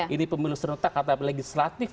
ini pemilu serta kata legislatif